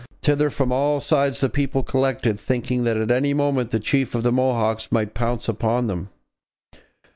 Thither from all sides the people collected, thinking that at any moment the chief of the Mohawks might pounce upon them.